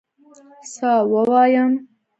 څه ووایم؟!